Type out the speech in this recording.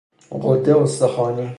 غده استخوانی